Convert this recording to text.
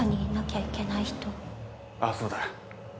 ああそうだ。